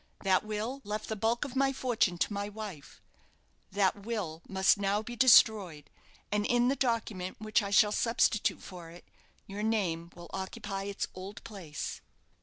That will left the bulk of my fortune to my wife. That will must now be destroyed; and in the document which I shall substitute for it, your name will occupy its old place.